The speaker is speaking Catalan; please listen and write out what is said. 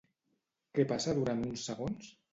Què passa durant uns segons?